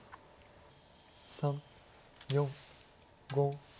３４５。